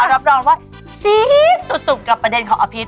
รับรองว่าซี๊ดสุดกับประเด็นของอภิษ